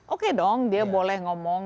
oke dong dia boleh ngomong